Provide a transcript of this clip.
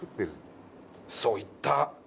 そういった。